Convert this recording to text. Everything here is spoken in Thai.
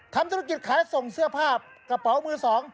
ทำธุรกิจขายส่งเสื้อผ้ากระเป๋ามือ๒